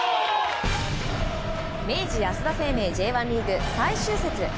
明治安田生命Ｊ１リーグ最終節。